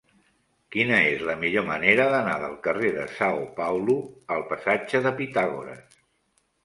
Quina és la millor manera d'anar del carrer de São Paulo al passatge de Pitàgores?